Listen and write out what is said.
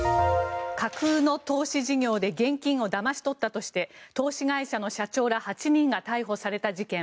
架空の投資事業で現金をだまし取ったとして投資会社の社長ら８人が逮捕された事件。